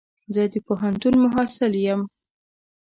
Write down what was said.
زه د پوهنتون محصل يم.